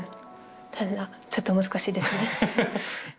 ただちょっと難しいですね。